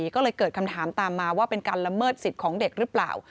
ก็เลยเกิดคำถามตามมาว่าเป็นการละเมิดสิทธิ์ของเด็กหรือเปล่า